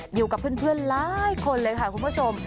อยู่กับเพื่อนหลายคนเลยค่ะคุณผู้ชม